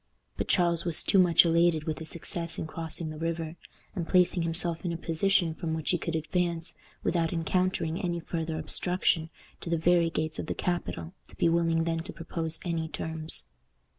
But Charles was too much elated with his success in crossing the river, and placing himself in a position from which he could advance, without encountering any farther obstruction, to the very gates of the capital, to be willing then to propose any terms.